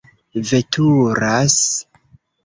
veturas